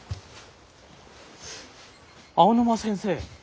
青沼先生。